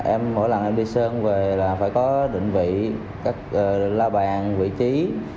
em mỗi lần em đi sơn về là phải có định vị các la bàn vị trí